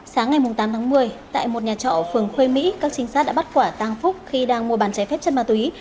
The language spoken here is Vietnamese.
sáng ngày tám tháng một mươi tại một nhà trọ ở phường khuê mỹ các trinh sát đã bắt quả tàng phúc khi đang mua bán trái phép chất ma túy